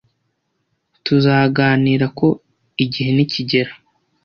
Tuzaganira ko igihe nikigera.